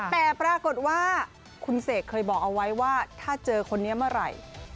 แต่ปรากฏว่าคุณเสกเคยบอกเอาไว้ว่าถ้าเจอคนนี้เมื่อไหร่